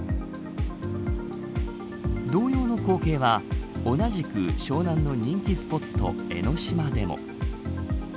同様の光景は同じく湘南の人気スポット江の島でも。